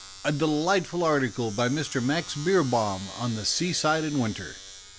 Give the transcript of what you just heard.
a delightful article by Mr. Max Beerbohm on the seaside in winter.